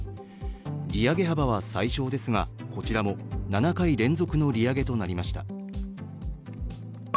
利上げ幅は最小ですが、こちらも７回連続の利上げとなりました。